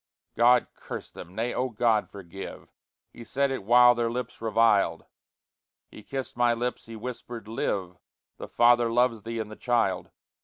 God curse them! Nay, Oh God forgive! He said it while their lips reviled; He kissed my lips, he whispered: "Live! The father loves thee in the child."